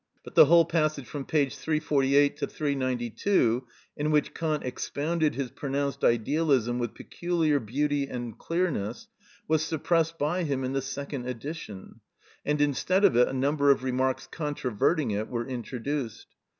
But the whole passage from p. 348 392, in which Kant expounded his pronounced idealism with peculiar beauty and clearness, was suppressed by him in the second edition, and instead of it a number of remarks controverting it were introduced.